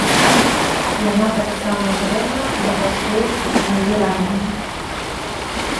Яна таксама дрэнна дапасуецца з назіраннямі.